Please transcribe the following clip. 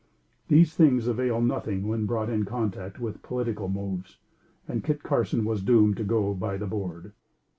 These things availed nothing when brought in contact with political moves; and Kit Carson was doomed to go by the board.